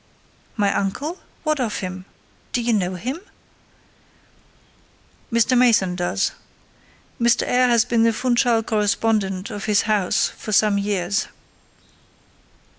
"My uncle! What of him? Do you know him?" "Mr. Mason does. Mr. Eyre has been the Funchal correspondent of his house for some years.